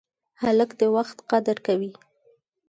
هلک د وخت قدر کوي.